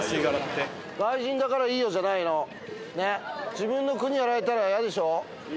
自分の国やられたら嫌でしょ。